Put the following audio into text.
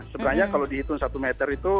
sebenarnya kalau dihitung satu meter itu